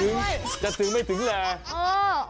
โอ้ยเจ้าทิ้งไหมทิ้งแหละ